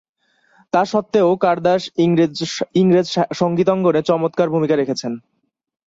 তাস্বত্ত্বেও কারদাস ইংরেজ সঙ্গীত অঙ্গনে চমৎকার ভূমিকা রেখেছেন।